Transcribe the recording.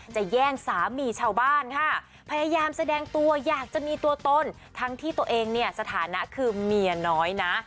แย่งสามีชาวบ้านค่ะพยายามแสดงตัวอยากจะมีตัวตนทั้งที่ตัวเองเนี่ยสถานะคือเมียน้อยนะ